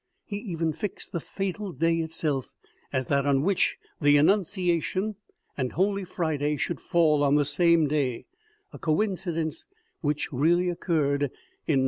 He even fixed the fatal day itself, as that on which " The Annunciation " and Holy Friday should fall on the same day, a coincidence which really occurred in 992.